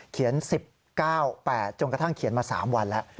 ๑๙๘จนกระทั่งเขียนมา๓วันแล้ว